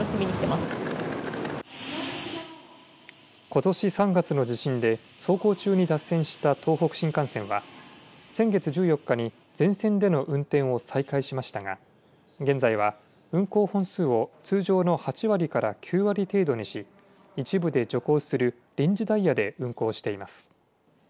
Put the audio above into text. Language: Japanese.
ことし３月の地震で走行中に脱線した東北新幹線は先月１４日に全線での運転を再開しましたが現在は、運行本数を通常の８割から９割程度にし一部で徐行する臨時ダイヤで運行しています。